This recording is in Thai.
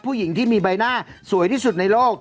ผู้หญิงที่มีใบหน้าสวยที่สุดในโลก